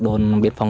đồn biên phòng